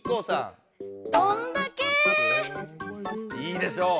いいでしょう！